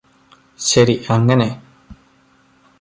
ശരി അങ്ങനെ